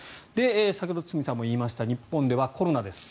先ほど堤さんも言いました日本では、コロナです。